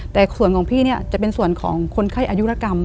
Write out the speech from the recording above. แต่ส่วนของพี่เนี่ยจะเป็นส่วนของคนไข้อายุรกรรม